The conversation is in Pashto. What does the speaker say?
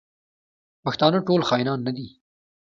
پښتانه ټول خاینان نه دي.